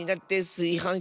すいはん